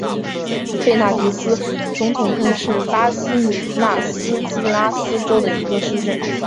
贝纳迪斯总统镇是巴西米纳斯吉拉斯州的一个市镇。